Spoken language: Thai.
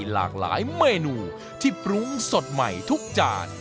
หลากหลายเมนูที่ปรุงสดใหม่ทุกจาน